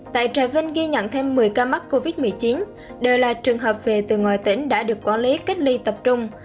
tại trà vinh ghi nhận thêm một mươi ca mắc covid một mươi chín đều là trường hợp về từ ngoài tỉnh đã được quản lý cách ly tập trung